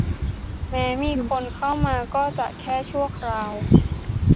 แม้มีคนเข้ามาก็จะแค่ชั่วคราว